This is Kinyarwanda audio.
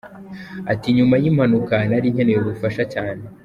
Ati “ Nyuma y’impanuka nari nkeneye ubufasha cyane.